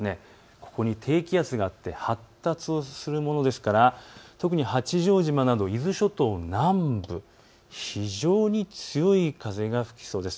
ここに低気圧があって発達をするものですから特に八丈島など伊豆諸島南部、非常に強い風が吹きそうです。